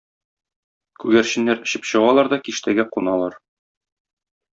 Күгәрченнәр очып чыгалар да киштәгә куналар.